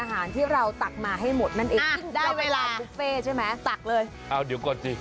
ให้หมดมันเอกสิ้นได้เวลาบุฟเฟต์ใช่ไหมตักเลยเอาเดี๋ยวกดจริง